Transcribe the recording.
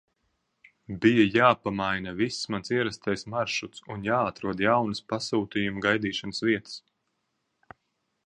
Bija jāpamaina viss mans ierastais maršruts un jāatrod jaunas pasūtījumu gaidīšanas vietas.